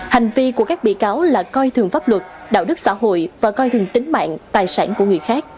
hành vi của các bị cáo là coi thường pháp luật đạo đức xã hội và coi thường tính mạng tài sản của người khác